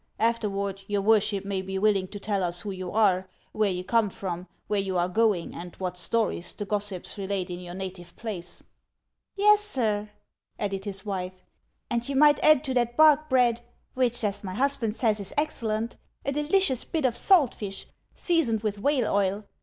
Afterward your worship may be willing to tell us who you are, where you come from, where you are goiiig, and what stories the gossips relate iu your native place." " Yes, sir," added his wife ;" and you might add to that bark bread — which, as my husband says, is excellent — a delicious bit of salt tish, seasoned with whale oil.